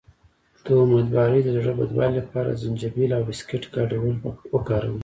د امیدوارۍ د زړه بدوالي لپاره د زنجبیل او بسکټ ګډول وکاروئ